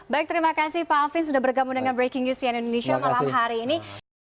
baik terima kasih pak alvin sudah bergabung dengan breaking news cnn indonesia malam hari ini